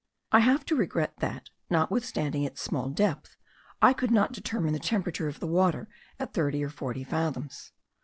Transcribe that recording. I have to regret that, notwithstanding its small depth, I could not determine the temperature of the water at thirty or forty fathoms.